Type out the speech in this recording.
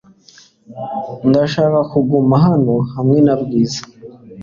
Ndashaka kuguma hano hamwe na Bwiza .